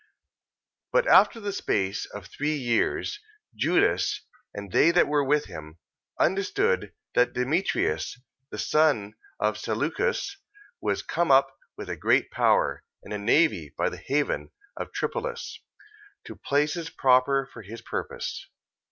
But after the space of three years Judas, and they that were with him, understood that Demetrius, the son of Seleucus, was come up with a great power, and a navy by the haven of Tripolis, to places proper for his purpose, 14:2.